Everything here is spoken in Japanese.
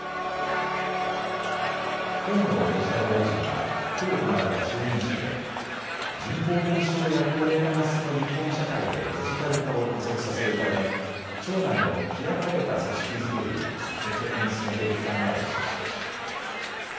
河野デジタル大臣はきょう行われた就任式で人口減少や高齢化が進む日本社会でデジタル化を加速させるため庁内の開かれた組織作りを積極的に進めていく考えを示しました。